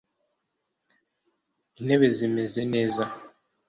intebe zimeze neza